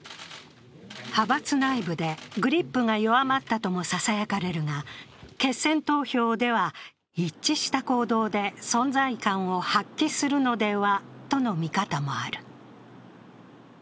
派閥内部でグリップが弱まったともささやかれるが、決選投票では一致した行動で存在感を発揮するのではとの見方もある。